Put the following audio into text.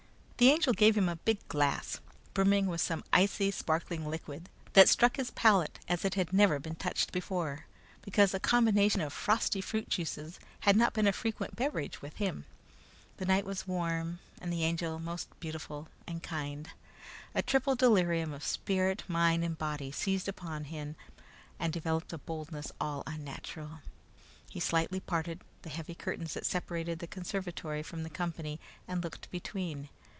The Angel gave him a big glass, brimming with some icy, sparkling liquid that struck his palate as it never had been touched before, because a combination of frosty fruit juices had not been a frequent beverage with him. The night was warm, and the Angel most beautiful and kind. A triple delirium of spirit, mind, and body seized upon him and developed a boldness all unnatural. He slightly parted the heavy curtains that separated the conservatory from the company and looked between.